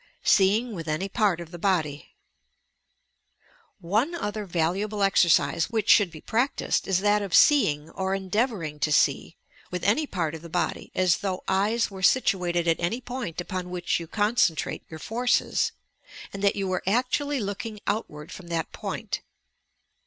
SEEING WrrH ANT PABT OP TETE BODY One other valuable exercise which should be prac tised is that of seeing, or endeavouring to see, with any part of the body, as though eyes were situated at any point upon which you concentrate your forces, and that you were actually looking outward from that point.